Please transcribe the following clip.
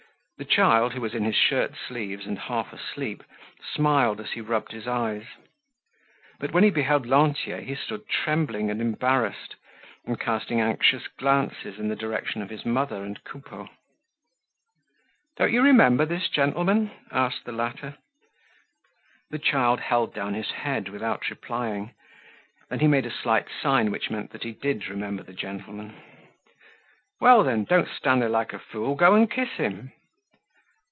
The child, who was in his shirt sleeves and half asleep, smiled as he rubbed his eyes. But when he beheld Lantier he stood trembling and embarrassed, and casting anxious glances in the direction of his mother and Coupeau. "Don't you remember this gentleman?" asked the latter. The child held down his head without replying. Then he made a slight sign which meant that he did remember the gentleman. "Well! Then, don't stand there like a fool; go and kiss him."